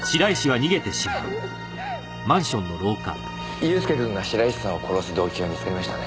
祐介くんが白石さんを殺す動機が見つかりましたね。